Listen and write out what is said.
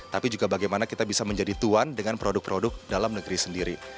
tapi juga bagaimana kita bisa menjadi tuan dengan produk produk dalam negeri sendiri